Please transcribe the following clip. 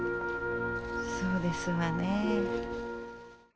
そうですわねえ。